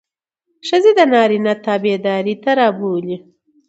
ښځې د نارينه تابعدارۍ ته رابولي.